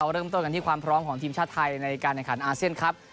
เริ่มต้นกันที่ความพร้อมของทีมชาติไทยในการแข่งขันอาเซียนครับ